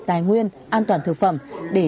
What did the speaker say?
tài nguyên an toàn thực phẩm để